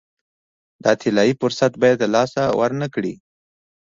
دا طلایي فرصت باید له لاسه ورنه کړي.